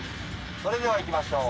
それではいきましょう。